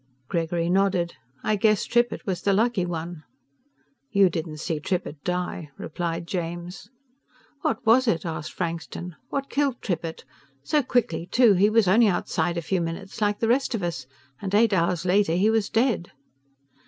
Gregory nodded, "I guess Trippitt was the lucky one." "You didn't see Trippitt die," replied James. "What was it?" asked Frankston. "What killed Trippitt? So quickly, too. He was only outside a few minutes like the rest of us, and eight hours later he was dead."